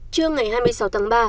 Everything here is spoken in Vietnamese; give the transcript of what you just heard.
trưa ngày hai mươi sáu tháng ba